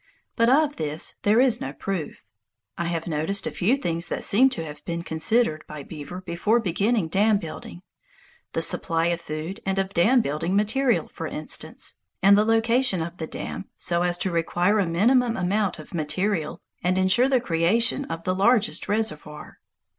But of this there is no proof. I have noticed a few things that seem to have been considered by beaver before beginning dam building, the supply of food and of dam building material, for instance, and the location of the dam so as to require the minimum amount of material and insure the creation of the largest reservoir.